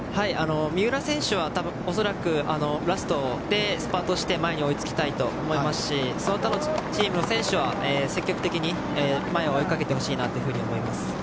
三浦選手は恐らくラストでスパートして前に追いつきたいと思いますしその他のチームの選手は積極的に前を追いかけてほしいなと思います。